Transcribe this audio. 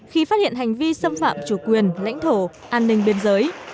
khi phát hiện hành vi xâm phạm chủ quyền lãnh thổ an ninh biên giới